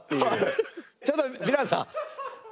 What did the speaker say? ちょっとヴィランさん。